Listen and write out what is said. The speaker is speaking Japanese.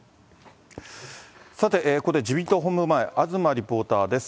さて、ここで自民党本部前、東リポーターです。